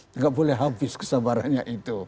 tidak boleh habis kesabarannya itu